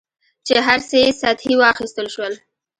چې هر څه یې سطحي واخیستل شول.